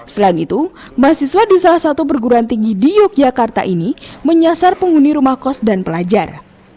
selain itu mahasiswa di salah satu perguruan tinggi di yogyakarta ini menyasar penghuni rumah kos dan pelajar